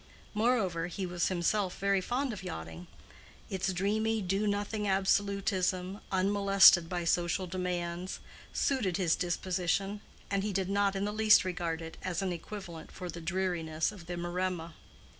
Moreover, he was himself very fond of yachting: its dreamy do nothing absolutism, unmolested by social demands, suited his disposition, and he did not in the least regard it as an equivalent for the dreariness of the Maremma.